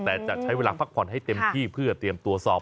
แต่จะใช้เวลาพักผ่อนให้เต็มที่เพื่อเตรียมตรวจสอบ